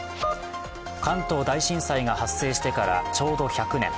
関東大震災が発生してから、ちょうど１００年。